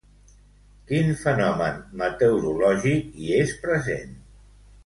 Quin fenomen meteorològic hi és present?